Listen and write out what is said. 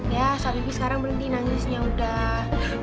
ya sampe bibi sekarang berhenti nangisnya udah